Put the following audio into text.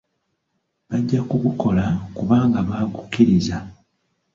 Bajja kugukola kubanga baagukkiriza.